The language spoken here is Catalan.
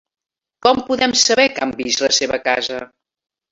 Com podem saber que han vist la seva casa?